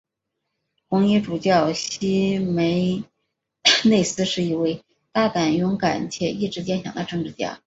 红衣主教希梅内斯是一位大胆勇敢且意志坚强的政治家。